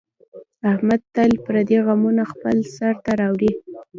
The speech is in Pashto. احمد تل پردي غمونه خپل سر ته راوړي.